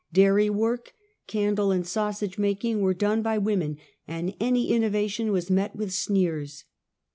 Dairy work, candle and sausage making were done by women, and any innovation was met with [sneers.